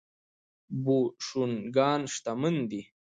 بوشونګان شتمن دي.